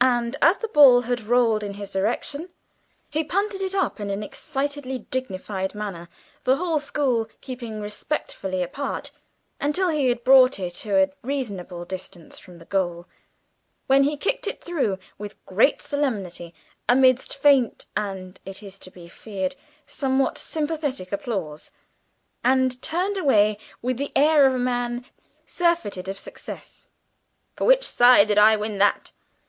And, as the ball had rolled in his direction, he punted it up in an exceedingly dignified manner, the whole school keeping respectfully apart, until he had brought it to a reasonable distance from the goal, when he kicked it through with great solemnity, amidst faint, and it is to be feared somewhat sycophantic applause, and turned away with the air of a man surfeited of success. "For which side did I win that?"